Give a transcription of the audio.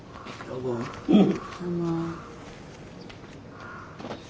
どうも。